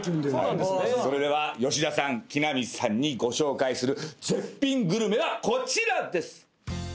それでは吉田さん木南さんにご紹介する絶品グルメはこちらです！